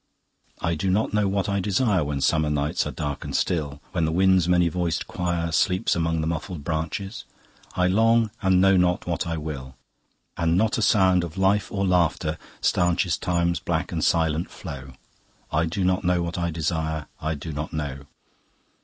"I do not know what I desire When summer nights are dark and still, When the wind's many voiced quire Sleeps among the muffled branches. I long and know not what I will: And not a sound of life or laughter stanches Time's black and silent flow. I do not know what I desire, I do not know."